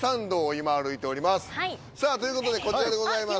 さあという事でこちらでございます。